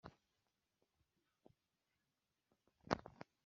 Ntawamusimbura ya meddy yarakunzwe cyane mu Rwanda